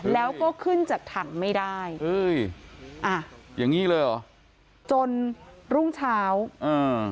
แล้วก็ขึ้นจากถังไม่ได้เอ้ยอ่าอย่างงี้เลยเหรอจนรุ่งเช้าอ่า